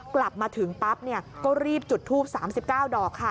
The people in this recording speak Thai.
กลับมาถึงปั๊บเนี้ยก็รีบจุดทูปสามสิบเก้าดอกค่ะ